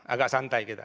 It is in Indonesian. agak santai kita